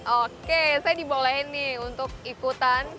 oke saya dibolehin nih untuk ikutan